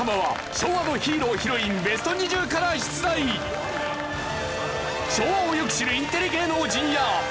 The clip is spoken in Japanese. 昭和をよく知るインテリ芸能人や。